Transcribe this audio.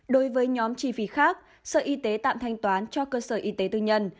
đối với nhóm chi phí khác sở y tế tạm thanh toán cho cơ sở y tế tư nhân